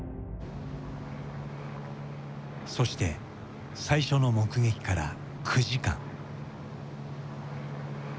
そして最初の目撃から９時間。